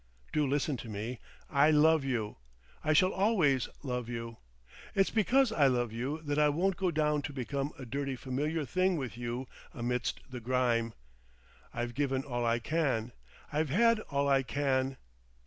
Do listen to me! I love you. I shall always love you. It's because I love you that I won't go down to become a dirty familiar thing with you amidst the grime. I've given all I can. I've had all I can....